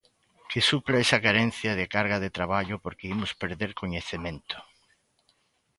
Que supla esa carencia de carga de traballo porque imos perder coñecemento.